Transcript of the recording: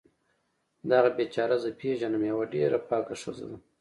دغه بیچاره زه پیږنم یوه ډیره پاکه ښځه ده